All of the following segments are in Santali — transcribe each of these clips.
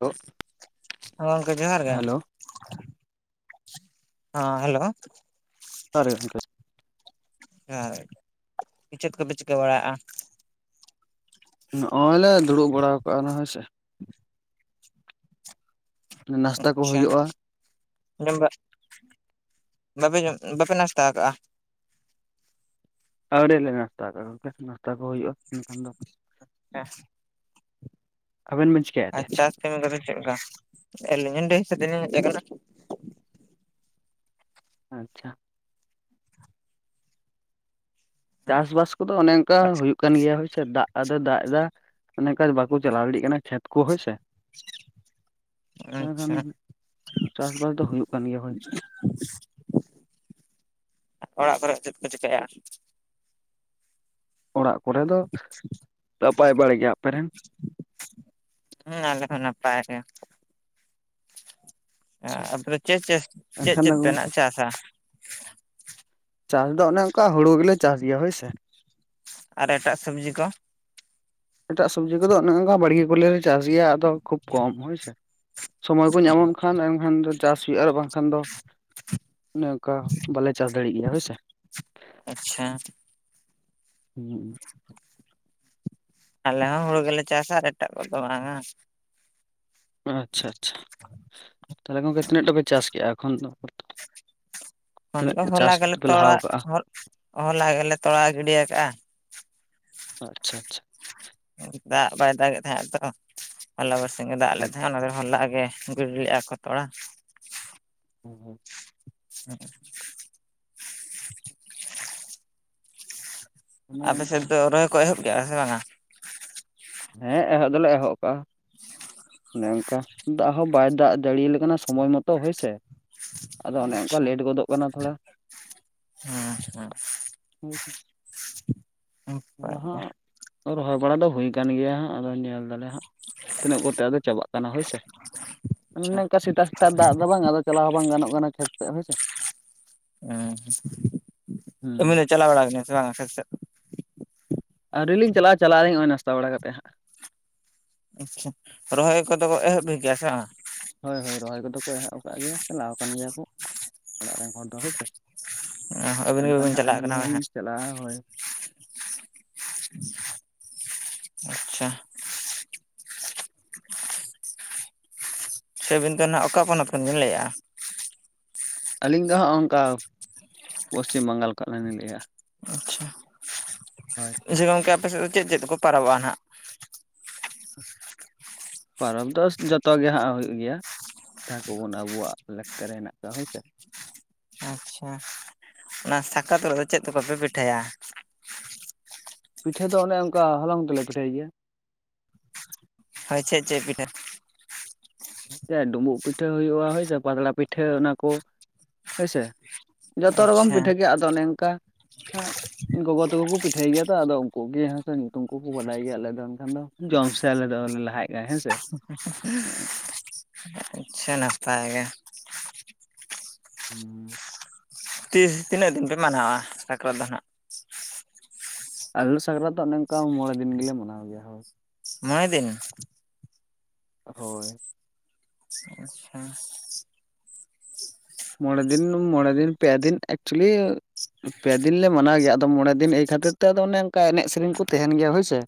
ᱦᱮᱞᱳ [unintelligible] ᱦᱮᱸ ᱜᱚᱝᱠᱮ ᱡᱚᱦᱟᱨ ᱜᱮ ᱾ ᱦᱸ ᱦᱮᱞᱳ ᱡᱚᱦᱟᱨ ᱜᱮ ᱜᱝᱢᱠᱮ ᱦᱮᱸ ᱪᱮᱫ ᱠᱚᱯᱮ ᱪᱤᱠᱟᱹ ᱵᱟᱲᱟᱭᱮᱜᱼᱟ? ᱱᱚᱜᱼᱚᱭ ᱞᱮ ᱫᱩᱲᱩᱵ ᱵᱟᱲᱟ ᱠᱟᱜᱼᱟ ᱦᱳᱭ ᱥᱮ ᱾ ᱱᱟᱥᱛᱟ ᱠᱚ ᱦᱩᱭᱩᱜᱼᱟ ᱟᱪᱪᱷᱟᱚ ᱵᱟᱯᱮ ᱡᱚᱢ ᱵᱟᱯᱮ ᱱᱟᱥᱛᱟ ᱠᱟᱜᱼᱟ? ᱟᱹᱣᱨᱤ ᱞᱮ ᱱᱟᱥᱛᱟ ᱠᱟᱜᱼᱟ ᱜᱚᱢᱠᱮ ᱱᱟᱥᱛᱟ ᱠᱚ ᱦᱩᱭᱩᱜᱼᱟ ᱱᱟᱸᱜ ᱠᱷᱟᱱ ᱫᱚ [unintelligible] ᱟᱵᱮᱱ ᱵᱤᱱ ᱟᱨ ᱪᱟᱥ ᱠᱟᱹᱢᱤ ᱠᱚᱫᱚ ᱪᱮᱫ ᱞᱮᱠᱟ? ᱟᱞᱤᱧ ᱰᱟᱹᱦᱤ ᱥᱮᱜ ᱜᱮᱞᱤᱧ ᱦᱮᱡ ᱠᱟᱱᱟ ᱾ ᱟᱪᱪᱷᱟ ᱾ ᱪᱟᱥ ᱵᱟᱥ ᱠᱚᱫᱚ ᱚᱱᱮ ᱚᱝᱠᱟ ᱦᱩᱭᱩᱜ ᱠᱟᱱ ᱜᱮᱭᱟ ᱦᱳᱭᱥᱮ ᱫᱟᱜ ᱟᱫᱟ ᱫᱟᱜ ᱫᱟ, ᱚᱱᱮ ᱠᱟᱡ ᱵᱟᱠᱚ ᱪᱟᱞᱟᱣ ᱫᱟᱲᱮᱭᱟᱜ ᱠᱟᱱᱟ ᱠᱷᱮᱛ ᱠᱚ ᱦᱳᱭᱥᱮ [unintelligible] ᱛᱚᱵᱮᱠᱷᱟᱱ ᱟᱪᱪᱷᱟ ᱪᱟᱥᱼᱵᱟᱥ ᱫᱚ ᱦᱩᱭᱩᱜ ᱠᱟᱱ ᱜᱮᱭᱟ, ᱦᱳᱭ ᱚᱲᱟᱜ ᱠᱚᱨᱮ ᱪᱮᱫ ᱯᱮ ᱪᱤᱠᱟᱭᱟ? ᱚᱲᱟᱜ ᱠᱚᱨᱮ ᱫᱚ ᱱᱟᱯᱟᱭ ᱵᱟᱲᱟ ᱜᱮ ᱟᱯᱮᱨᱮᱱ? ᱦᱩᱸᱻᱟᱞᱮ ᱦᱚᱸ ᱱᱟᱯᱟᱭ ᱜᱮ ᱾ ᱟᱯᱮ ᱫᱚ ᱮᱱᱠᱷᱟᱱ ᱪᱮᱫᱻᱪᱮᱫᱻᱪᱮᱫᱻᱪᱮᱫ ᱯᱮ ᱫᱚ ᱱᱟᱸᱜ ᱪᱟᱥᱟ? ᱪᱟᱥ ᱫᱚ ᱚᱱᱮ ᱚᱝᱠᱟ ᱦᱩᱲᱩ ᱜᱮᱞᱮ ᱪᱟᱥ ᱜᱮᱭᱟ ᱦᱳᱭ ᱥᱮ ᱟᱨ ᱮᱴᱟᱜ ᱥᱚᱵᱡᱤ ᱠᱚ ᱮᱴᱟᱜ ᱥᱚᱵᱽᱡᱤ ᱠᱚᱫᱚ ᱚᱱᱮ ᱚᱝᱠᱟ ᱵᱟᱹᱲᱜᱮ ᱠᱚᱞᱮ ᱪᱟᱥ ᱜᱮᱭᱟ ᱟᱫᱚ ᱠᱷᱩᱵ ᱠᱚᱢ ᱦᱳᱭᱥᱮ ᱥᱚᱢᱚᱭ ᱠᱚ ᱧᱟᱢᱟᱱ ᱠᱷᱟᱱ ᱮᱱᱠᱷᱟᱱ ᱫᱚ ᱪᱟᱥ ᱦᱩᱭᱩᱜᱼᱟ ᱟᱨ ᱵᱟᱝᱠᱷᱟᱱ ᱫᱚ ᱚᱱᱮ ᱚᱱᱠᱟ ᱵᱟᱞᱮ ᱪᱟᱥ ᱫᱟᱲᱮᱭᱟᱜ ᱜᱮᱭᱟ ᱦᱳᱭᱥᱮ ᱟᱪᱪᱷᱟ ᱦᱩᱸ [unintelligible] ᱟᱞᱮ ᱦᱚᱸ ᱦᱩᱲᱩ ᱜᱮᱞᱮ ᱪᱟᱥᱟ ᱟᱨ ᱮᱴᱟᱜ ᱠᱚᱫᱚ ᱵᱟᱝᱟ ᱟᱪᱪᱷᱟ ᱟᱪᱪᱷᱟ ᱛᱟᱦᱚᱞᱮ ᱜᱚᱢᱠᱮ ᱛᱤᱱᱟᱹᱜ ᱴᱟ ᱯᱮ ᱪᱟᱥ ᱠᱮᱫᱼᱟ ᱮᱠᱷᱚᱱ ᱫᱚ ᱚᱱᱟ ᱛᱤᱱᱟᱹᱜ ᱫᱚ ᱦᱚᱞᱟ ᱪᱟᱥ ᱜᱮᱞᱮ ᱯᱮ ᱛᱚᱲᱟ ᱞᱟᱦᱟᱣ ᱠᱟᱜᱼᱟ ᱦᱚᱞᱟ ᱜᱮᱞᱮ ᱛᱚᱲᱟ ᱜᱤᱰᱤᱤᱭᱟ ᱟᱠᱟᱜᱼᱟ ᱟᱪᱪᱷᱟ ᱟᱪᱪᱷᱟ ᱫᱟᱜ ᱵᱟᱭ ᱫᱟᱜ ᱮᱫ ᱛᱟᱦᱮᱸᱜ ᱛᱚ ᱦᱚᱞᱟ ᱛᱮᱱᱮᱜ ᱫᱟᱜ ᱞᱮᱫ ᱛᱟᱦᱮᱼᱟ ᱚᱱᱟ ᱫᱚ ᱦᱚᱞᱟᱜ ᱜᱮ ᱜᱤᱰᱤ ᱞᱮᱫᱼᱟ ᱠᱚ ᱛᱚᱲᱟ [unintelligible] ᱦᱮᱸ [unintelligible] ᱟᱯᱮ ᱚᱱᱠᱟ ᱥᱮᱫ ᱫᱚ ᱨᱚᱦᱚᱭ ᱠᱚ ᱮᱦᱚᱵ ᱠᱮᱫᱼᱟ ᱥᱮ ᱵᱟᱝᱟ ᱦᱮᱸ ᱮᱦᱚᱵ ᱫᱚᱞᱮ ᱮᱦᱚᱵ ᱠᱟᱜᱼᱟ ᱚᱱᱮ ᱚᱱᱠᱟ ᱫᱟᱜ ᱦᱚᱸ ᱵᱟᱭ ᱫᱟᱜ ᱡᱟᱹᱲᱤᱟᱞᱮ ᱠᱟᱱᱟ ᱥᱚᱢᱚᱭ ᱢᱚᱛᱚ ᱦᱳᱭᱥᱮ ᱟᱫᱚ ᱚᱱᱮ ᱚᱱᱠᱟ ᱟᱪᱪᱷᱟ ᱞᱮᱴ ᱜᱚᱫᱚᱜ ᱠᱟᱱᱟ ᱛᱷᱚᱲᱟ ᱦᱮᱸ ᱦᱮᱸ ᱟᱪᱪᱷᱟ ᱟᱫᱚ ᱦᱟᱜ ᱨᱚᱦᱚᱭ ᱵᱟᱲᱟ ᱫᱚ ᱦᱩᱭ ᱠᱟᱱᱟ ᱠᱟᱱ ᱜᱮᱭᱟ ᱦᱟᱸᱜ ᱟᱫᱚ ᱧᱮᱞ ᱫᱟᱞᱮᱭᱟ ᱦᱟᱸᱜ ᱛᱤᱱᱟᱹᱜ ᱠᱚᱛᱮ ᱟᱫᱚ ᱪᱟᱵᱟᱜ ᱠᱟᱱᱟ ᱦᱳᱭ ᱥᱮ ᱚᱱᱮ ᱦᱮᱸ ᱚᱝᱠᱟ ᱥᱮᱛᱟᱜ ᱥᱮᱛᱟᱜ ᱫᱟᱜ ᱫᱚ ᱵᱟᱝ ᱟᱫᱚ ᱪᱟᱞᱟᱣ ᱦᱚᱸ ᱵᱟᱝ ᱜᱟᱱᱚᱜ ᱠᱟᱱᱟ ᱠᱷᱮᱛ ᱥᱮᱫ ᱦᱳᱭᱥᱮ ᱦᱩᱸ ᱦᱮᱸ ᱫᱚ ᱪᱟᱞᱟᱣ ᱵᱟᱲᱟᱜ ᱟᱠᱟᱱᱟ ᱠᱷᱮᱛ ᱥᱮᱫ ᱟᱹᱣᱨᱤ ᱞᱤᱧ ᱪᱟᱞᱟᱜᱼᱟ ᱪᱟᱞᱟᱜ ᱟᱹᱞᱤᱜ ᱱᱚ-ᱚᱭ ᱱᱟᱥᱛᱟ ᱵᱟᱲᱟᱠᱟᱛᱮᱫ ᱦᱟᱜ ᱟᱪᱪᱷᱟ ᱨᱚᱦᱚᱭ ᱠᱚᱫᱚ ᱠᱚ ᱮᱦᱚᱵ ᱜᱮᱭᱟ ᱥᱮ ᱵᱟᱝ ᱦᱳᱭ ᱦᱳᱭ ᱨᱚᱦᱚᱭ ᱠᱚᱫᱚ ᱠᱚ ᱮᱦᱚᱵ ᱟᱠᱟᱫ ᱜᱮᱭᱟ ᱪᱟᱞᱟᱜ ᱟᱠᱟᱱ ᱜᱮᱭᱟ ᱠᱚ ᱚᱲᱟᱜ ᱨᱮᱱ ᱦᱚᱲ ᱫᱚ ᱦᱳᱭ ᱥᱮ ᱟᱹᱵᱤᱱ ᱮᱱᱠᱷᱟᱱ ᱜᱮᱵᱤᱱ ᱦᱟᱸᱜ ᱪᱟᱞᱟᱜ ᱠᱟᱱᱟ ᱟᱹᱞᱤᱧ ᱦᱟᱸᱜ ᱞᱤᱧ ᱪᱟᱞᱟᱜᱼᱟ ᱦᱳᱭ ᱟᱪᱪᱷᱟ ᱥᱮ ᱟᱹᱵᱤᱱ ᱫᱚ ᱟᱸᱱᱟᱜ ᱚᱠᱟ ᱯᱚᱱᱚᱛ ᱠᱷᱚᱱ ᱵᱤᱱ ᱞᱟᱹᱭᱮᱫᱼᱟ ᱟᱹᱞᱤᱧ ᱫᱚ ᱦᱚᱜᱼ ᱠᱟ ᱯᱚᱥᱪᱤᱢ ᱵᱟᱝᱜᱟᱞ ᱠᱷᱚᱱᱞᱤ ᱞᱤᱧ ᱞᱟᱹᱭᱮᱫᱼᱟ ᱟᱪᱪᱷᱟ ᱡᱮ ᱜᱚᱝᱠᱮ ᱟᱯᱮᱥᱮᱫ ᱫᱚ ᱪᱮᱫ ᱪᱮᱫ ᱠᱚ ᱯᱟᱨᱟᱵᱚᱜᱼᱟ ᱱᱟᱦᱟᱜ ᱯᱚᱨᱚᱵᱽ ᱫᱚ ᱡᱚᱛᱚ ᱜᱮ ᱦᱟᱸᱜ ᱦᱩᱭᱩᱜ ᱜᱮᱭᱟ ᱡᱟᱦᱟᱸ ᱠᱚᱵᱚᱱ ᱟᱵᱚᱣᱟᱜ ᱞᱟᱠᱛᱟᱨ ᱨᱮ ᱦᱮᱱᱟᱜ ᱠᱚᱣᱟ ᱦᱳᱭᱥᱮ ᱟᱪᱪᱷᱟ ᱚᱱᱟ ᱥᱟᱠᱨᱟᱛ ᱫᱚ ᱪᱮᱫᱠᱟ ᱯᱮ ᱯᱤᱴᱷᱟᱹᱭᱟ ᱯᱤᱴᱷᱟᱹ ᱫᱚ ᱚᱱᱮ ᱚᱱᱠᱟ ᱦᱚᱞᱚᱝ ᱛᱮᱞᱮ ᱯᱤᱴᱷᱟᱹᱭ ᱜᱮᱭᱟ ᱦᱳᱭ ᱪᱮᱫ ᱪᱮᱫ ᱯᱤᱴᱷᱟᱹ ᱦᱮᱸ ᱰᱩᱸᱵᱩᱜ ᱯᱤᱴᱷᱟᱹ ᱦᱩᱭᱩᱜᱼᱟ ᱦᱳᱭᱥᱮ ᱯᱟᱛᱲᱟ ᱯᱤᱴᱷᱟᱹ ᱚᱱᱟ ᱠᱚ ᱦᱳᱭᱥᱮ ᱡᱚᱛᱚ ᱨᱚᱠᱚᱢ ᱟᱪᱪᱷᱟ ᱯᱤᱴᱷᱟᱹ ᱜᱮᱭᱟ ᱟᱫᱚ ᱚᱱᱮ ᱚᱝᱠᱟ ᱜᱚᱜᱚ ᱛᱟᱠᱚ ᱠᱚ ᱯᱤᱴᱷᱟᱹᱭ ᱜᱮᱭᱟ ᱛᱚ ᱟᱫᱚ ᱩᱱᱠᱩ ᱜᱮ ᱦᱮᱸᱥᱮ ᱧᱩᱛᱩᱢ ᱠᱚᱠᱚ ᱵᱟᱰᱟᱭ ᱜᱮᱭᱟ ᱟᱞᱮ ᱫᱚ ᱮᱱᱠᱷᱟᱱ ᱫᱚ ᱡᱚᱢ ᱥᱮ ᱟᱞᱮ ᱫᱚᱞᱮ ᱞᱟᱦᱟᱭᱮᱫ ᱜᱮ ᱦᱮᱸ ᱥᱮ [unintelligible] ᱟᱪᱪᱷᱟ ᱱᱟᱯᱟᱭ ᱜᱮ ᱦᱩᱸ [unintelligible] ᱛᱤᱥ ᱛᱤᱱᱟᱹᱜ ᱫᱤᱱ ᱯᱮ ᱢᱟᱱᱟᱼᱣᱟ ᱥᱟᱠᱨᱟᱛ ᱫᱚ ᱦᱟᱜ ᱟᱞᱮ ᱥᱟᱠᱨᱟᱛ ᱫᱚ ᱚᱱᱮ ᱚᱱᱠᱟ ᱢᱚᱬᱮ ᱫᱤᱱ ᱜᱮᱞᱮ ᱢᱟᱱᱟᱣ ᱜᱮᱭᱟ ᱦᱳᱭ ᱢᱚᱬᱮ ᱫᱤᱱ ᱦᱳᱭ ᱟᱪᱪᱷᱟ [unintelligible] ᱢᱚᱬᱮ ᱫᱤᱱ ᱢᱚᱬᱮ ᱫᱤᱱ ᱯᱮ ᱫᱤᱱ ᱮᱠᱪᱩᱭᱮᱞᱤ ᱯᱮ ᱫᱤᱱ ᱞᱮ ᱢᱟᱱᱟᱣ ᱜᱮᱭᱟ ᱟᱫᱚ ᱢᱚᱬᱮ ᱫᱤᱱ ᱮᱭ ᱠᱷᱟᱹᱛᱤᱨ ᱛᱮ ᱚᱱᱮ ᱚᱱᱠᱟ ᱮᱱᱮᱡ ᱥᱮᱨᱮᱧ ᱠᱚ ᱛᱟᱦᱮᱱ ᱜᱮᱭᱟ ᱦᱳᱭᱥᱮ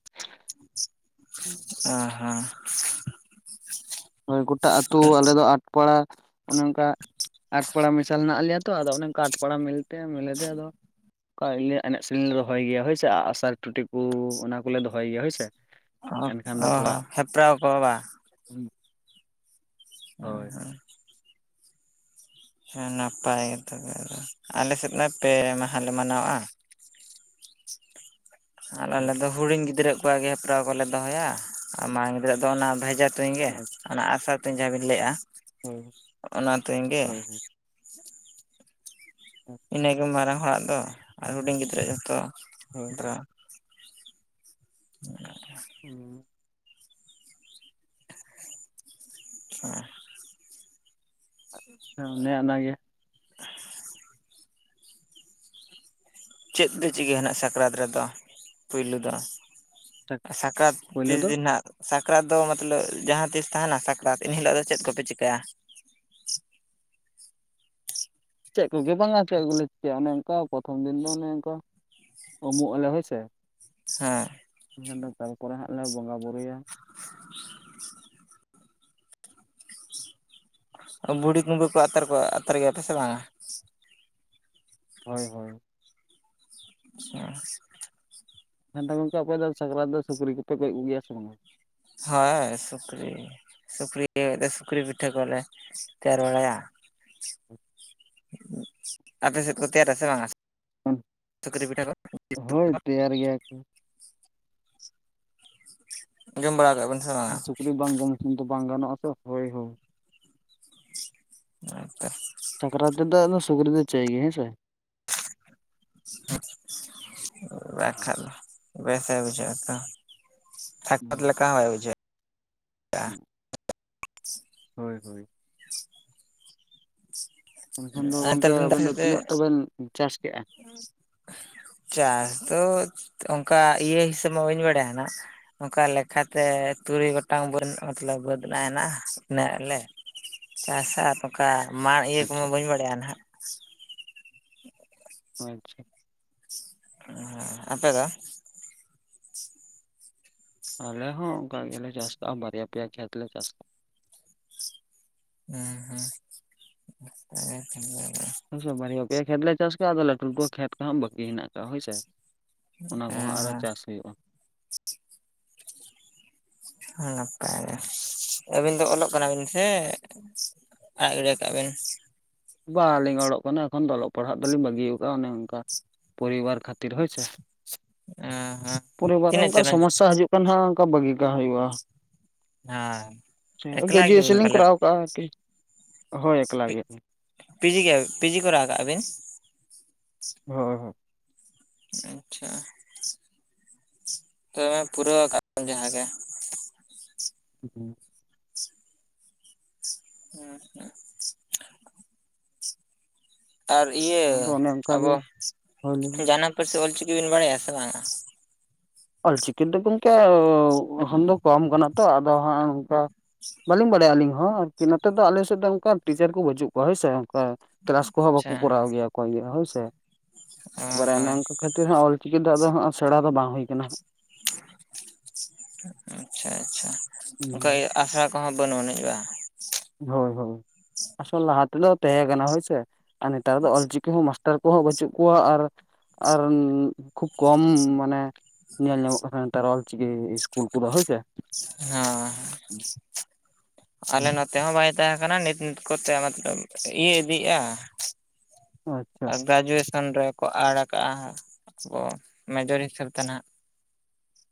ᱚ ᱦᱚᱸ ᱦᱳᱭ ᱜᱚᱴᱟ ᱟᱹᱛᱩ ᱟᱞᱮ ᱫᱚ ᱟᱴᱯᱟᱲᱟ ᱚᱱᱮ ᱚᱱᱠᱟ ᱟᱴᱯᱟᱲᱟ ᱢᱮᱥᱟᱞ ᱦᱮᱱᱟᱜ ᱞᱮᱭᱟ ᱛᱚ ᱟᱫᱚ ᱚᱱᱮᱠᱟ ᱟᱴ ᱯᱟᱲᱟ ᱢᱤᱞᱛᱮ ᱢᱤᱞᱮᱫᱮ ᱟᱫᱚ ᱠᱟ ᱮᱱᱮᱡ ᱥᱮᱨᱮᱧ ᱞᱮ ᱨᱚᱦᱚᱭ ᱜᱮᱭᱟ ᱦᱳᱭ ᱥᱮ ᱟᱹᱜᱥᱟᱨ ᱴᱩᱴᱤ ᱠᱚ ᱚᱱᱟ ᱠᱚᱞᱮ ᱫᱚᱦᱚᱭ ᱜᱮᱭᱟ ᱦᱳᱭ ᱥᱮᱮ [unintelligible] ᱦᱮᱯᱨᱟᱣ ᱠᱚ ᱵᱟᱼᱼ ᱦᱳᱭ ᱦᱳᱭ ᱦᱮ ᱱᱟᱯᱟᱭ ᱜᱮ ᱛᱚᱵᱮ ᱫᱚ ᱟᱞᱮ ᱥᱮᱫ ᱢᱟ ᱯᱮ ᱢᱟᱦᱟ ᱞᱮ ᱢᱟᱱᱟᱣᱟ ᱟᱨ ᱟᱞᱮ ᱫᱚ ᱦᱩᱰᱤᱧ ᱜᱤᱫᱽᱨᱟᱹ ᱠᱚᱣᱟᱜ ᱜᱮ ᱦᱮᱯᱨᱟᱣ ᱠᱚᱞᱮ ᱫᱚᱦᱚᱭᱟ ᱟᱨ ᱢᱟᱨᱟᱝ ᱜᱤᱫᱽᱨᱟᱹ ᱫᱚ ᱚᱱᱟ [unintelligible] ᱛᱩᱧ ᱜᱮ ᱚᱱᱟ ᱟᱜ ᱥᱟᱨ ᱛᱩᱧ ᱡᱟᱦᱟ ᱵᱤᱱ ᱞᱟᱹᱭᱮᱜᱼᱟ ᱦᱳᱭ ᱚᱱᱟ ᱛᱩᱧ ᱜᱮ ᱦᱳᱭ ᱦᱳᱭ ᱟᱪᱪᱷᱟ ᱤᱱᱟᱹᱜᱮ ᱢᱟᱨᱟᱝ ᱦᱚᱲᱟᱜ ᱫᱚ ᱟᱨ ᱦᱩᱰᱤᱧ ᱜᱤᱫᱽᱨᱟᱹ ᱡᱚᱛᱚ ᱫᱨᱚ [inaudible] ᱦᱮᱸ ᱦᱮᱸ ᱚᱱᱮ ᱚᱱᱟ ᱜᱮ [inaudible] ᱪᱮᱫ ᱯᱮ ᱪᱤᱠᱟᱹᱭᱟ ᱱᱷᱟᱜ ᱥᱟᱠᱨᱟᱛ ᱨᱮᱫᱚ ᱯᱩᱭᱞᱩ ᱫᱚ ᱥᱟᱠᱨᱟᱛ ᱯᱳᱭᱞᱳ ᱛᱤᱥ ᱫᱚ ᱫᱤᱱ ᱦᱟᱜ ᱥᱟᱠᱨᱟᱛ ᱫᱚ ᱢᱚᱛᱞᱚᱵ ᱡᱟᱦᱟᱸ ᱛᱤᱥ ᱛᱟᱦᱮᱱᱟ ᱥᱟᱠᱨᱟᱛ ᱮᱱᱮ ᱦᱤᱞᱚᱜ ᱫᱚ ᱪᱮᱫ ᱠᱚᱯᱮ ᱪᱤᱠᱟᱹᱭᱟ ᱪᱮᱫ ᱠᱚᱜᱮ ᱵᱟᱝᱟ ᱪᱮᱫ ᱠᱚᱞᱮ ᱪᱤᱠᱟᱹᱭᱟ ᱚᱱᱮ ᱚᱱᱠᱟ ᱯᱨᱚᱛᱷᱚᱢ ᱫᱤᱱ ᱫᱚ ᱚᱱᱮ ᱚᱱᱠᱟ ᱩᱢᱩᱜ ᱟᱞᱮ ᱦᱳᱭ ᱥᱮ ᱦᱮᱸ ᱤᱱᱟᱹ ᱫᱚᱥᱟᱨ ᱯᱚᱨᱮ ᱦᱟᱸᱜ ᱞᱮ ᱵᱚᱸᱜᱟ ᱵᱩᱨᱩᱭᱟ [inaudible] ᱵᱩᱲᱤ ᱠᱩᱢᱵᱟᱹ ᱠᱚ ᱟᱛᱟᱨ ᱠᱚᱣᱟ ᱟᱛᱟᱨ ᱜᱮᱭᱟ ᱯᱮ ᱥᱮ ᱵᱟᱝᱟ ᱦᱳᱭ ᱦᱳᱭ ᱟᱪᱪᱷᱟ ᱟᱫᱚ ᱜᱚᱝᱠᱮ ᱟᱯᱮ ᱫᱚ ᱥᱟᱠᱨᱟᱛ ᱫᱚ ᱥᱩᱠᱨᱤ ᱠᱚᱯᱮ ᱜᱚᱡ ᱠᱚᱜᱮ ᱜᱮᱭᱟ ᱥᱮ ᱵᱟᱝᱟ ᱦᱳᱭ ᱥᱩᱠᱨᱤ ᱥᱩᱠᱨᱤ ᱥᱩᱠᱨᱤ ᱯᱤᱴᱷᱟᱹ ᱠᱚᱞᱮ ᱛᱮᱭᱟᱨ ᱵᱟᱲᱟᱭᱟ ᱟᱯᱮ ᱥᱮᱫ ᱠᱚ ᱛᱮᱭᱟᱨᱟ ᱥᱮ ᱵᱟᱝᱟ ᱥᱩᱠᱨᱤ ᱯᱤᱴᱷᱟᱹ ᱠᱚ ᱦᱳᱭ [inaudible] ᱛᱮᱭᱟᱨ ᱜᱮᱭᱟ ᱠᱚ ᱟᱸᱡᱚᱢ ᱵᱟᱲᱟ ᱠᱟᱜ ᱵᱤᱱ ᱥᱩᱠᱨᱤ ᱵᱟᱝ [unintelligible] ᱵᱟᱝ ᱜᱟᱱᱚᱜᱼᱟ ᱛᱚ ᱦᱚᱭ ᱦᱳ ᱦᱚᱭ ᱛᱚ ᱥᱟᱠᱨᱟᱛ ᱨᱮᱫᱚ ᱟᱫ ᱥᱩᱠᱨᱤ ᱫᱚ ᱪᱟᱭ ᱜᱮᱭᱟ ᱦᱮᱸ ᱥᱮ [inaudible] [unintelligible] ᱵᱮᱥ ᱵᱟᱭ ᱵᱩᱡᱷᱟᱹᱜ ᱟᱛᱚ ᱥᱟᱠᱨᱟᱛ ᱞᱮᱠᱟ ᱦᱚᱸ ᱵᱟᱭ ᱵᱩᱡᱷᱟᱹᱜᱼᱟ ᱦᱮᱸ ᱦᱳᱭ ᱦᱳᱭ ᱮᱱᱠᱷᱟᱱ ᱫᱚ ᱟᱨ ᱱᱮᱛᱟᱨ ᱜᱚᱝᱠᱮ ᱫᱤᱱ ᱟᱵᱮᱱ ᱫᱚ ᱛᱤᱱᱟᱹᱜ ᱛᱚᱵᱮᱱ ᱪᱟᱥ ᱠᱮᱜᱼᱟ? [unintelligible] ᱪᱟᱥ ᱫᱚ ᱚᱱᱠᱟ ᱤᱭᱟᱹ ᱦᱤᱥᱟᱹᱵᱽ ᱢᱟ ᱵᱟᱹᱧ ᱵᱟᱲᱟᱭᱟ ᱱᱟᱜ ᱱᱚᱝᱠᱟ ᱞᱮᱠᱷᱟ ᱛᱮ ᱛᱩᱨᱩᱭ ᱜᱚᱴᱟᱝ ᱵᱟᱹᱫᱽ ᱱᱟᱜ ᱢᱚᱛᱞᱚᱵᱽ ᱵᱟᱹᱫᱽ ᱱᱟᱜ ᱢᱮᱱᱟᱜᱼᱟ [unintelligible] ᱪᱟᱥ ᱟᱨ ᱱᱚᱝᱠᱟ [unintelligible] ᱤᱭᱟᱹ ᱠᱚᱢᱟ ᱟᱪᱪᱷᱟ ᱵᱟᱹᱧ ᱵᱟᱲᱟᱭᱟ ᱱᱷᱟᱜ ᱚ ᱟᱪᱪᱷᱟ [unintelligible] ᱟᱯᱮ ᱫᱚ ᱟᱞᱮ ᱦᱚ ᱚᱱᱠᱟ ᱜᱮᱞᱮ ᱪᱟᱥ ᱮᱫᱟ ᱵᱟᱨᱭᱟ ᱯᱮᱭᱟ ᱠᱷᱮᱛ ᱞᱮ ᱪᱟᱥ ᱮᱫᱟ ᱦᱩᱸ ᱦᱩᱸ [unintelligible] ᱦᱳᱭᱥᱮ ᱵᱟᱨᱭᱟ ᱯᱮᱭᱟ ᱠᱷᱮᱛ ᱞᱮ ᱪᱟᱥ ᱠᱟᱜᱟ ᱟᱫᱚ ᱞᱟᱴᱩ ᱞᱟᱴᱩ ᱣᱟᱜ ᱠᱷᱮᱛ ᱠᱟᱱᱟ ᱵᱟᱠᱤ ᱦᱮᱱᱟᱜ ᱠᱟᱜᱟ ᱦᱚᱭ ᱥᱮ ᱮ ᱦᱮᱸ ᱱᱟᱯᱟᱭ ᱜᱮ ᱟᱹᱵᱤᱱ ᱫᱚ ᱚᱞᱚᱜ ᱠᱟᱱᱟ ᱵᱤᱱ ᱥᱮ ᱟᱨ [unintelligible] ᱵᱟᱹᱞᱤᱧ ᱚᱞᱚᱜ ᱠᱟᱱᱟ ᱮᱠᱷᱚᱱ ᱫᱚ ᱚᱞᱚᱜ ᱯᱟᱲᱦᱟᱜ ᱫᱚᱞᱤᱧ ᱵᱟᱜᱤᱭᱟᱠᱟᱫᱼᱟ ᱚᱱᱮ ᱚᱱᱠᱟ ᱯᱚᱨᱤᱵᱟᱨ ᱠᱷᱟᱹᱛ ᱛᱤᱨᱮ ᱦᱳᱭ ᱥᱮ ᱦᱮᱸ ᱦᱮᱸ [unintelligible] ᱯᱚᱨᱤᱵᱟᱨ ᱨᱮ ᱛᱤᱱᱟᱹᱜ ᱚᱱᱠᱟᱱ ᱪᱟᱱᱟᱪ ᱥᱚᱢᱚᱥᱥᱟ ᱦᱤᱡᱩᱜ ᱠᱟᱱ ᱦᱟᱜ ᱚᱱᱠᱟ ᱵᱟᱹᱜᱤ [unintelligible] ᱦᱩᱭᱩᱜᱼᱟ ᱦᱮᱸ ᱮᱠᱞᱟ ᱜᱮᱨᱡᱩᱭᱮᱥᱚᱱ ᱜᱮᱵᱤᱱ ᱞᱤᱧ ᱯᱟᱞᱮᱫ ᱠᱚᱨᱟᱣ ᱠᱟᱜᱼᱟ ᱟᱨᱠᱤ ᱦᱳᱭ ᱮᱠᱞᱟ ᱜᱮᱭᱟ ᱞᱤᱧ ᱯᱤᱡᱤ ᱜᱮ ᱯᱤᱡᱤ ᱠᱚᱨᱟᱣ ᱟᱠᱟ ᱟᱵᱤᱱ? ᱦᱮᱸ ᱦᱮᱸ ᱟᱪᱪᱷᱟ ᱛᱚᱵᱮ ᱯᱩᱨᱟᱹ ᱟᱠᱟᱫ ᱡᱟᱦᱟᱸᱜ ᱜᱮ ᱦᱮᱸ ᱦᱮᱸ ᱦᱮᱸ ᱟᱨ ᱤᱭᱟᱹ ᱟᱫᱚ ᱚᱱᱮ ᱚᱱᱠᱟ ᱜᱮ ᱟᱵᱚ ᱦᱳᱭ ᱞᱤᱧ ᱡᱟᱱᱟᱢ ᱯᱟᱹᱨᱥᱤ ᱚᱞ ᱪᱤᱠᱤ ᱵᱤᱱ ᱵᱟᱰᱟᱭᱟ ᱥᱮ ᱵᱟᱝᱟ? ᱚᱞᱪᱤᱠᱤ ᱫᱚ ᱜᱚᱢᱠᱮ ᱦᱮ ᱫᱚ ᱠᱚᱢ ᱠᱟᱱᱟ ᱛᱚ ᱟᱫᱚ ᱦᱟᱸᱜ ᱱᱚᱝᱠᱟ ᱵᱟᱹᱞᱤᱧ ᱵᱟᱲᱟᱭᱟ ᱟᱹᱞᱤᱧ ᱦᱚᱸ ᱟᱨᱠᱤ ᱱᱚᱛᱮ ᱫᱚ ᱟᱞᱮᱥᱮᱫ ᱫᱚ ᱚᱱᱠᱟ ᱴᱤᱪᱟᱨ ᱠᱚ ᱵᱟᱹᱩᱜ ᱠᱚᱣᱟ ᱦᱳᱭ ᱥᱮ ᱚᱱᱠᱟ ᱠᱞᱟᱥ ᱠᱚᱦᱚᱸ ᱵᱟᱠᱚ ᱟᱪᱪᱷᱟ ᱠᱚᱨᱟᱣ ᱜᱮᱭᱟ ᱚᱠᱚᱭ ᱜᱮ ᱦᱳᱭᱥᱮ ᱚ ᱛᱯᱚᱨᱮ ᱚᱱᱮ ᱦᱚᱸ ᱚᱱᱠᱟ ᱠᱷᱟᱹᱛᱤᱨ ᱦᱚᱸ ᱚᱞᱪᱤᱠᱤ ᱫᱟᱜ ᱫᱚ ᱥᱮᱬᱟ ᱫᱚ ᱵᱟᱝ ᱦᱩᱭ ᱠᱟᱱᱟ ᱟᱪᱪᱷᱟ ᱟᱪᱪᱷᱟ ᱟᱱᱠᱟ ᱦᱟᱸᱜ ᱟᱥᱲᱟ [inaudible] ᱵᱟᱱᱩᱜ ᱟᱱᱤᱡ ᱵᱟ? ᱦᱳᱭ ᱦᱳᱭ ᱟᱥᱚᱞ ᱞᱟᱦᱟ ᱛᱮᱞᱚ ᱛᱟᱦᱮᱸ ᱠᱟᱱᱟ ᱦᱳᱭᱥᱮ ᱟᱨ ᱱᱮᱛᱟᱨ ᱫᱚ ᱚᱞᱪᱤᱠᱤ ᱦᱚᱸ ᱢᱟᱥ ᱴᱟᱨ ᱠᱚᱦᱚᱸ ᱵᱟᱹᱪᱩᱜ ᱠᱚᱣᱟ ᱟᱨ ᱟᱨ ᱠᱷᱩᱵ ᱠᱚᱢ ᱢᱟᱱᱮ ᱧᱮᱞ ᱧᱟᱢᱚᱜ ᱠᱟᱱᱟ ᱱᱮᱛᱟᱨ ᱚᱞᱪᱤᱠᱤ ᱤᱥᱠᱩᱞ ᱠᱚᱫᱚ ᱦᱳᱭ ᱥᱮ ᱦᱮᱸ [inaudible] ᱟᱞᱮ ᱱᱚᱛᱮ ᱦᱚᱸ ᱵᱟᱭ ᱛᱟᱦᱮᱸ ᱠᱟᱱᱟ ᱱᱤᱛ ᱱᱤᱛ ᱠᱚᱛᱮ ᱢᱚᱛᱞᱚᱵ ᱤᱭᱟᱹ ᱤᱫᱤᱜᱼᱟ ᱳ ᱟᱪᱪᱷᱟ ᱜᱨᱮᱡᱩᱭᱮᱥᱚᱱ ᱨᱮᱠᱚ ᱟᱹᱲ ᱠᱟᱜᱼᱟ ᱟᱵᱚ ᱢᱮᱡᱚᱨ ᱦᱤᱥᱟᱹᱵ ᱛᱮ ᱱᱟᱦᱟᱜ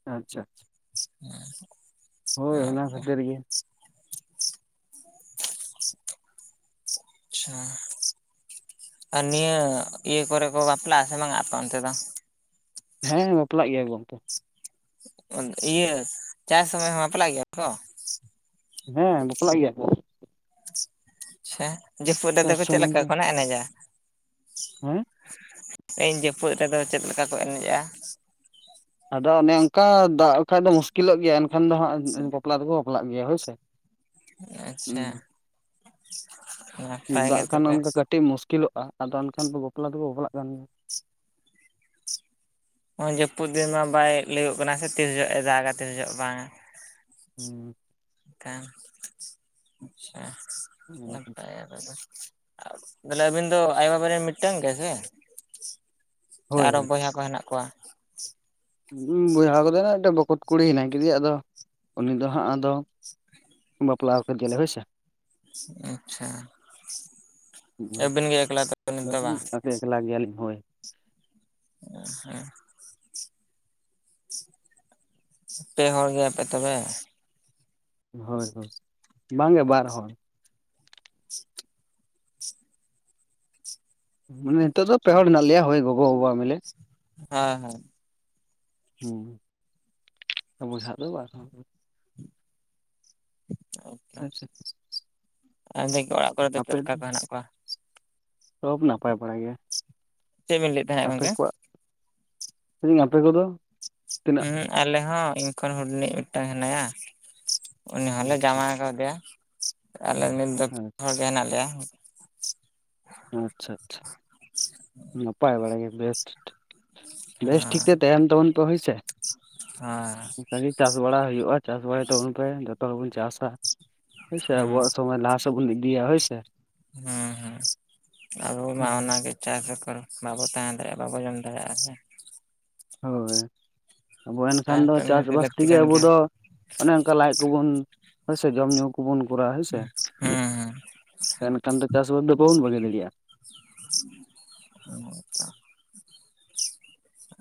ᱟᱪᱪᱷᱟ ᱟᱪᱟ ᱦᱮᱸ ᱦᱳᱭ ᱚᱱᱟ ᱠᱷᱟᱹᱛᱤᱨ ᱜᱮ ᱟᱪᱪᱷᱟ ᱟᱨ ᱱᱤᱭᱟᱹ ᱤᱭᱟᱹ ᱠᱚᱨᱮ ᱠᱚ ᱵᱟᱯᱞᱟᱜᱼᱟ ᱥᱮ ᱵᱟᱝ ᱟᱯᱮ ᱚᱱᱛᱮ ᱫᱚ? ᱦᱮᱸ ᱵᱟᱯᱞᱟᱜ ᱜᱮᱭᱟ ᱜᱚᱝᱠᱮ ᱤᱭᱟᱹ ᱪᱟᱥ ᱥᱚᱢᱚᱭ ᱦᱚᱸ ᱵᱟᱯᱞᱟᱜ ᱜᱮᱭᱟ ᱠᱚ? ᱦᱮᱸ ᱵᱟᱯᱞᱟᱜ ᱜᱮᱭᱟ ᱠᱚ ᱟᱪᱪᱷᱟ ᱡᱟᱹᱯᱩᱫ ᱨᱮᱫᱚ ᱪᱟᱥ ᱪᱮᱫ ᱥᱩᱢᱩᱝ ᱞᱮᱠᱟ ᱜᱮ ᱠᱚᱱᱟᱜ ᱮᱱᱮᱡᱟ? ᱦᱮᱸ ᱤᱧ ᱡᱟᱹᱯᱩᱫ ᱨᱮᱫᱚ ᱪᱮᱫ ᱞᱮᱠᱟ ᱠᱚ ᱮᱱᱮᱡᱼᱟ? ᱟᱫᱚ ᱚᱱᱮ ᱚᱱᱠᱟ ᱫᱟᱜ ᱞᱮ ᱠᱷᱟᱱᱡ ᱫᱚ ᱢᱩᱥᱠᱤᱞᱚᱜ ᱜᱮᱭᱟ ᱮᱱᱠᱷᱟᱱ ᱫᱚ ᱦᱟᱸᱜ ᱵᱟᱯᱞᱟ ᱫᱚᱠᱚ ᱵᱟᱯᱞᱟᱜ ᱜᱮᱭᱟ ᱦᱳᱭᱥᱮ ᱟᱪᱪᱷᱟ ᱱᱟᱯᱟᱭ ᱜᱮ ᱫᱟᱜ ᱠᱷᱟᱱ ᱛᱚᱵᱮ ᱚᱱᱠᱟ ᱠᱟᱹᱴᱤᱡ ᱢᱩᱥᱠᱤᱞᱚᱜᱼᱟ ᱟᱫᱚ ᱮᱱᱠᱷᱟᱱ ᱫᱚ ᱵᱟᱯᱞᱟ ᱫᱚᱠᱚ ᱵᱟᱯᱞᱟᱜ ᱠᱟᱱ ᱜᱮᱭᱟ ᱚᱭ ᱡᱟᱹᱯᱩᱫ ᱫᱤᱱ ᱢᱟ ᱵᱟᱭ ᱞᱟᱹᱭ ᱠᱟᱱᱟ ᱥᱮ ᱛᱤᱥ ᱡᱚᱜ ᱮ ᱫᱟᱜᱟ ᱛᱤᱥ ᱡᱚᱜ ᱵᱟᱝᱟ ᱦᱩᱸ ᱦᱮᱸ ᱟᱪᱪᱷᱟ ᱱᱟᱯᱟᱭ ᱜᱮ ᱛᱚᱵᱮ ᱛᱟᱦᱞᱮ ᱟᱹᱵᱤᱱ ᱫᱚ ᱟᱭᱳᱼ ᱵᱟᱵᱟ ᱨᱤᱱ ᱢᱤᱫᱴᱟᱝ ᱜᱮ ᱥᱮ ᱥᱮ ᱦᱳᱭ ᱟᱨᱚ ᱦᱳᱭ ᱵᱚᱭᱦᱟ ᱠᱚ ᱦᱮᱱᱟᱜ ᱠᱚᱣᱟ? ᱵᱚᱭᱦᱟ ᱠᱟᱫᱚ ᱦᱚᱸ ᱢᱤᱫᱴᱮᱱ ᱵᱚᱠᱚᱛ ᱠᱩᱲᱤ ᱦᱮᱱᱟᱭ ᱠᱮᱫᱮᱭᱟ ᱟᱫᱚ ᱩᱱᱤ ᱫᱚ ᱦᱟᱸᱜ ᱟᱫᱚ ᱵᱟᱯᱞᱟᱣ ᱠᱮᱫ ᱜᱮᱞᱮ ᱦᱳᱭᱥᱮ ᱟᱪᱪᱷᱟ ᱟᱹᱵᱤᱱ ᱜᱮ ᱮᱠᱞᱟ ᱛᱚᱵᱮ ᱱᱤᱛᱚᱜ ᱵᱟᱝ ᱵᱟᱠᱷᱟᱱ ᱮᱠᱞᱟ ᱜᱮᱭᱟᱞᱤᱧ ᱦᱳᱭ ᱦᱮᱸ ᱯᱮ ᱦᱚᱲ ᱜᱮᱭᱟᱯᱮ ᱛᱚᱵᱮ ᱦᱳᱭ ᱦᱳᱭ ᱵᱟᱝᱜᱮ ᱵᱟᱨ ᱦᱚᱲ ᱢᱟᱱᱮ ᱱᱤᱛᱚᱜ ᱫᱚ ᱯᱮ ᱦᱚᱲ ᱞᱮ ᱢᱮᱱᱟᱜ ᱱᱟᱜ ᱞᱮᱭᱟ ᱦᱚᱭ ᱜᱚᱜᱚ ᱵᱟᱵᱟᱼᱟ ᱢᱮᱞᱮ ᱦᱮᱸ ᱦᱮᱸ ᱦᱮᱸ ᱟᱵᱚ ᱥᱟᱵ ᱫᱚ ᱟᱪᱪᱷᱟ ᱪᱟ ᱟᱨ ᱫᱮ ᱚᱲᱟᱜ ᱠᱚᱨᱮ ᱪᱮᱫ ᱟᱯᱮ ᱫᱚ ᱞᱮᱠᱟ ᱠᱚ ᱦᱮᱱᱟᱜ ᱠᱚᱣᱟ ᱥᱚᱵ ᱱᱟᱯᱟᱭ ᱵᱟᱲᱟ ᱜᱮᱭᱟ? ᱪᱮᱫ ᱵᱤᱱ ᱞᱟᱹᱭᱮᱫ ᱛᱟᱦᱮᱸᱫ ᱟᱯᱮ ᱜᱚᱝᱠᱮ ᱠᱚᱣᱟᱜ ᱟᱯᱮ ᱠᱚ ᱫᱚ ᱦᱮᱸ ᱟᱞᱮ ᱦᱚᱸ ᱤᱧ ᱠᱷᱚᱱ ᱦᱩᱰᱤᱧ ᱤᱡ ᱢᱤᱫᱴᱟᱱ ᱦᱮᱱᱟᱭᱟ ᱩᱱᱤ ᱦᱚᱸᱞᱮ ᱟᱪᱪᱷᱟ ᱡᱶᱟᱭ ᱠᱟᱫᱮᱭᱟ ᱟᱞᱮ ᱱᱤᱛ ᱫᱚ [inaudible] ᱦᱚᱲ ᱜᱮ ᱦᱮᱱᱟᱜ ᱞᱮᱭᱟ ᱟᱪᱪᱷᱟ ᱟᱪᱪᱷᱟ ᱱᱟᱯᱟᱭ ᱵᱟᱲᱟ ᱜᱮ ᱵᱮᱥ ᱵᱮᱥ ᱴᱷᱤᱠ ᱛᱮ ᱛᱟᱦᱮᱱ ᱛᱟᱵᱚᱱ ᱯᱮ ᱦᱮᱸᱥᱮ ᱦᱳᱭ ᱠᱤ ᱪᱟᱥ ᱵᱟᱲᱟ ᱦᱩᱭᱩᱜᱼᱟ ᱪᱟᱥ ᱵᱟᱲᱟᱭ ᱛᱟᱵᱚᱱ ᱯᱮ ᱡᱚᱛᱚ ᱦᱚᱲ ᱵᱚᱱ ᱪᱟᱥᱟ ᱦᱳᱭ ᱥᱮ ᱦᱩᱸ ᱟᱵᱚᱣᱟᱜ ᱥᱚᱢᱟᱡ ᱞᱟᱦᱟ ᱥᱮᱫ ᱵᱚᱱ ᱤᱫᱤᱭᱟ ᱦᱳᱭ ᱥᱮ᱾ ᱦᱮᱸ ᱦᱮᱸ ᱟᱵᱚ ᱢᱟ ᱚᱱᱟ ᱜᱮ ᱪᱟᱥ ᱵᱮᱜᱚᱨ ᱵᱟᱵᱚ ᱛᱟᱦᱮᱸ ᱫᱟᱲᱮᱭᱟᱜᱼᱟ, ᱵᱟᱵᱚ ᱡᱚᱢ ᱫᱟᱲᱮᱭᱟᱜᱼᱟ ᱥᱮ ᱦᱳᱭ ᱟᱵᱚ ᱮᱱᱠᱷᱟᱱ ᱫᱚ ᱪᱟᱥ ᱱᱤᱦᱟᱹᱛᱤ ᱵᱟᱥ ᱞᱟᱹᱠᱛᱤ ᱛᱮᱜᱮ ᱠᱟᱱ ᱟᱵᱚ ᱜᱮᱭᱟ ᱫᱚ᱾ ᱚᱱᱮ ᱚᱱᱠᱟ ᱞᱟᱡ ᱠᱚᱵᱩᱱ ᱦᱳᱭ ᱥᱮ ᱡᱚᱢ ᱧᱩ ᱦᱳ ᱵᱚᱱ ᱠᱚᱨᱟᱣᱟ ᱦᱮᱸ ᱥᱮ ᱦᱩᱸ ᱦᱩᱸ ᱮᱱᱠᱷᱟᱱ ᱫᱚ ᱪᱟᱥ ᱵᱟᱥ ᱫᱚ ᱵᱟᱵᱚᱱ ᱵᱷᱟᱹᱜᱤ ᱫᱟᱲᱮᱭᱟᱜᱼᱟ᱾ ᱚ ᱟᱪᱪᱷᱟ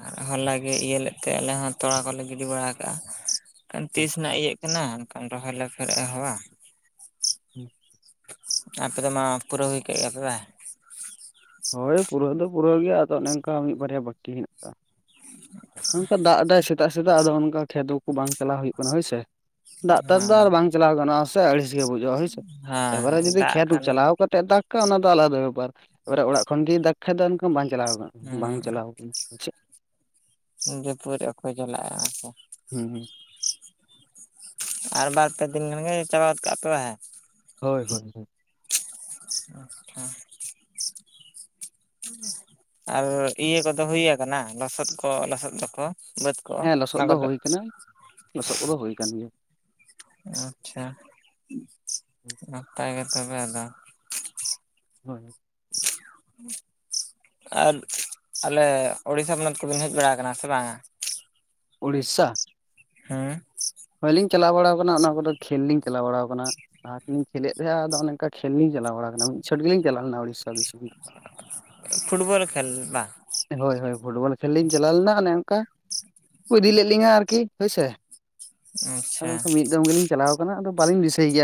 ᱟᱨ ᱦᱚᱞ ᱜᱮ ᱤᱭᱟᱹ ᱞᱮᱫ ᱛᱮ ᱟᱞᱮ ᱦᱚᱸ ᱛᱚᱞᱟ ᱠᱚᱞᱮ ᱜᱤᱰᱤ ᱵᱟᱲᱟ ᱠᱟᱜᱼᱟ ᱛᱤᱥ ᱟᱪᱪᱷᱟ ᱨᱮᱱᱟᱜ ᱤᱭᱟᱹ ᱠᱟᱱᱟ ᱮᱱᱠᱷᱟᱱ ᱨᱚᱦᱚᱭ ᱠᱚ ᱟᱹᱣᱨᱤ ᱞᱮ ᱟᱦᱚᱵᱟ ᱯᱷᱮᱨᱮ ᱮᱦᱚᱵᱣᱟ [inaudible] ᱟᱯᱮ ᱫᱚ ᱢᱟ ᱯᱩᱨᱟᱹᱣ ᱦᱩᱭ ᱠᱮᱫ ᱜᱮᱭᱟ ᱯᱮ ᱵᱟᱝ ᱦᱳᱭ ᱯᱩᱨᱟᱹᱣ ᱫᱚ ᱯᱩᱨᱟᱹᱣ ᱜᱮᱭᱟ ᱟᱫᱚ ᱚᱱᱮ ᱚᱱᱠᱟ ᱢᱤᱫ ᱵᱟᱨᱭᱟ ᱵᱟᱹᱠᱤ ᱦᱮᱱᱟᱜ ᱟᱠᱟᱫ-ᱟ᱾ [inaudible] ᱱᱚᱠᱟ ᱫᱟᱜ ᱮᱫᱟᱭ ᱥᱮᱛᱟᱜ ᱥᱮᱛᱟᱜ ᱟᱫᱚ ᱚᱱᱠᱟ ᱠᱷᱮᱛ ᱠᱚ ᱵᱟᱝ ᱪᱟᱞᱟᱣ ᱦᱩᱭᱩᱜ ᱠᱟᱱᱟ᱾ ᱦᱳᱭ ᱥᱮ ᱫᱟᱜ ᱫᱟᱜ ᱦᱮᱸ ᱛᱮ ᱟᱨ ᱵᱟᱝ ᱪᱟᱞᱟᱣ ᱜᱟᱱᱚᱜᱼᱟ ᱥᱮ ᱟᱹᱲᱤᱥ ᱜᱮ ᱵᱩᱡᱩᱜᱼᱟ ᱦᱳᱭ ᱥᱮ ᱮᱵᱟᱨᱮ ᱦᱮᱸ ᱡᱩᱫᱤ ᱫᱟᱜ ᱠᱷᱮᱛ ᱠᱚ ᱠᱷᱟᱱ ᱪᱟᱞᱟᱣ ᱠᱟᱛᱮ ᱫᱟᱜ ᱚᱱᱠᱟ ᱚᱱᱟ ᱫᱚ ᱟᱞᱟᱫᱟ ᱵᱮᱯᱟᱨ ᱮᱯᱚᱨᱮ ᱚᱲᱟᱜ ᱠᱷᱚᱱᱜ ᱜᱮ ᱫᱟᱜ ᱠᱷᱟᱱ ᱫᱚ ᱚᱱᱠᱟ ᱵᱟᱝ ᱪᱟᱞᱟᱣ ᱠᱟᱱᱟ ᱵᱟᱝ ᱦᱮᱸ ᱪᱟᱞᱟᱣ ᱟᱠᱟᱱᱟ᱾ ᱡᱟᱹᱯᱩᱫ ᱨᱮ ᱚᱠᱚᱭ ᱪᱟᱞᱟᱜᱼᱟ ᱦᱮᱸ ᱥᱮ? ᱦᱮᱸ ᱦᱩᱸ ᱟᱨ ᱵᱟᱨ ᱯᱮ ᱫᱤᱱ ᱜᱟᱱ ᱪᱟᱵᱟ ᱜᱚᱫ ᱠᱟᱜ ᱯᱮ ᱦᱮ? ᱦᱳᱭ ᱦᱳᱭ ᱦᱳᱭ ᱟᱪᱪᱷᱟ [inaudible] ᱟᱨ ᱤᱭᱟᱹ ᱠᱚᱫᱚ ᱦᱳᱭ ᱟᱠᱟᱱᱟ ᱞᱚᱥᱚᱫ ᱠᱚ ᱞᱚᱥᱚᱫ ᱫᱚ ᱠᱚ ᱵᱟᱹᱫᱽ ᱠᱚ ᱦᱮᱸ ᱞᱚᱥᱚᱫ ᱚᱱᱟ ᱫᱚ ᱠᱚᱫᱚ ᱦᱳᱭ ᱟᱠᱟᱱᱟ ᱞᱚᱥᱚᱫ ᱠᱚᱫᱚ ᱦᱩᱭ ᱟᱠᱟᱱ ᱜᱮᱭᱟ᱾ ᱟᱪᱪᱷᱟ ᱱᱟᱯᱟᱭ ᱜᱮ ᱛᱚᱵᱮ ᱟᱫᱚ ᱦᱳᱭ ᱟᱨ ᱟᱞᱮ ᱩᱲᱤᱥᱟ ᱯᱚᱱᱚᱛ ᱠᱚ ᱵᱤᱱ ᱦᱮᱡ ᱵᱟᱲᱟ ᱠᱟᱱᱟ ᱥᱮ ᱵᱟᱝᱼᱟ? ᱩᱲᱤᱥᱟ ᱦᱮᱸ ᱦᱳᱭ ᱞᱤᱧ ᱪᱟᱞᱟᱣ ᱵᱟᱲᱟᱣ ᱟᱠᱟᱱᱟ, ᱚᱱᱟ ᱠᱚ ᱫᱚ ᱠᱷᱮᱞ ᱞᱤᱧ ᱪᱟᱞᱟᱣ ᱵᱟᱲᱟᱟᱣ ᱟᱠᱟᱱᱟ᱾ ᱞᱟᱦᱟ ᱛᱮᱞᱤᱧ ᱠᱷᱮᱞᱮᱫ ᱛᱟᱦᱮᱫ- ᱟ ᱚᱱᱮ ᱚᱱᱠᱟ ᱠᱷᱮᱞ ᱤᱧ ᱪᱟᱞᱟᱣ ᱵᱟᱲᱟ ᱟᱠᱟᱱᱟ ᱢᱤᱫ ᱪᱷᱚᱴ ᱜᱮᱞᱤᱧ ᱪᱟᱞᱟᱣ ᱟᱠᱟᱱᱟ ᱩᱲᱤᱥᱟ ᱯᱷᱩᱴ ᱵᱚᱞ ᱠᱷᱮᱞ ᱵᱟᱝ ᱦᱳᱭ ᱦᱳᱭ ᱯᱷᱩᱴᱵᱚᱞ ᱠᱷᱮᱞ ᱞᱤᱧ ᱪᱟᱞᱟᱣ ᱞᱮᱱᱟ ᱚᱱᱮ ᱚᱱᱠᱟ ᱠᱚ ᱤᱫᱤ ᱞᱮᱫ ᱞᱤᱧᱟᱹ ᱟᱨᱠᱤ ᱦᱳᱭ ᱥᱮ ᱟᱫᱚ ᱟᱪᱪᱷᱟ ᱚᱱᱠᱟ ᱢᱤᱫ ᱫᱚᱢ ᱜᱮᱞᱤᱧ ᱪᱟᱞᱟᱣ ᱟᱫᱚ ᱵᱟᱟᱹᱞᱤᱧ ᱫᱤᱥᱟᱹᱭ ᱜᱮᱭᱟ